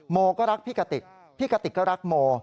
โมก็รักพี่กติกพี่กติกก็รักโม